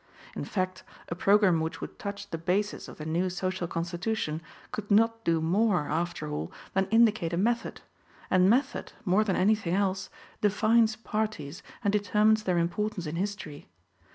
In fact, a program which would touch the basis of the new social constitution could not do more, after all, than indicate a method. And method, more than anything else, defines parties and determines their importance in history.